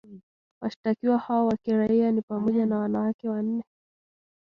Washtakiwa hao wa kiraia ni pamoja na wanawake wanne